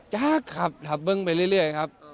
จ๊ะครับทับเบิ้งไปเรื่อยครับ